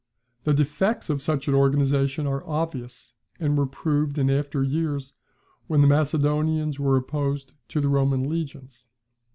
The defects of such an organization are obvious, and were proved in after years, when the Macedonians were opposed to the Roman legions.